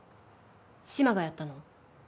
志摩がやったの？